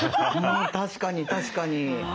確かに確かに。